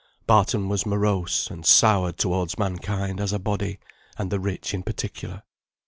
Barton was morose, and soured towards mankind as a body, and the rich in particular.